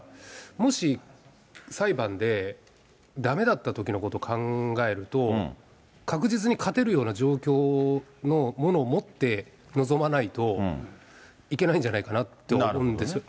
もし裁判でだめだったときのことを考えると、確実に勝てるような状況のものを持って臨まないと、いけないんじゃないかなって思うんですよね。